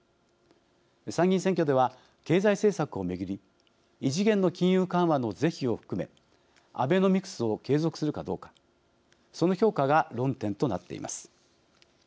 参議院選挙では、経済政策を巡り異次元の金融緩和の是非を含めアベノミクスを継続するかどうかその評価が論点となっています。